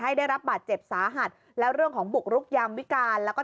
ได้รับบาดเจ็บสาหัสแล้วเรื่องของบุกรุกยามวิการแล้วก็